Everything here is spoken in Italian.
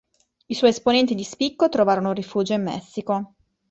I suoi esponenti di spicco trovarono rifugio in Messico.